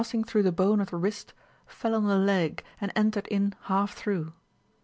] ing through the bone of the wrist, fell on the ll^ and entered in half through.